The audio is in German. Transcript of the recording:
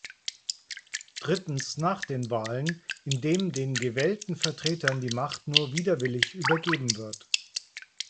Drittens nach den Wahlen, indem den gewählten Vertretern die Macht nur widerwillig übergeben wird.